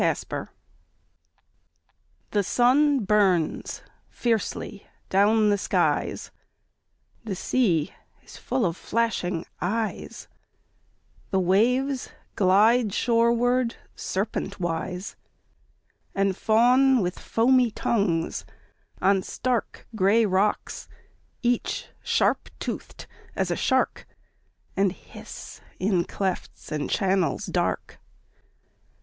A PICTURE THE sun burns fiercely down the skies ; The sea is full of flashing eyes ; The waves glide shoreward serpentwise And fawn with foamy tongues on stark Gray rocks, each sharp toothed as a shark, And hiss in clefts and channels dark.